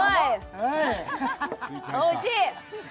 おいしい！